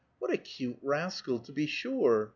What a cute rascal, to be sure